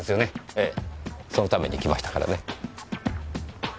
えぇそのために来ましたからね。